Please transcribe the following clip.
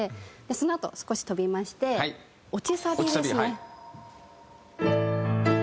そのあと少し飛びまして落ちサビですね。